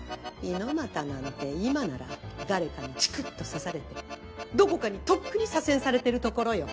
猪俣なんて今なら誰かにちくっとさされてどこかにとっくに左遷されてるところよ。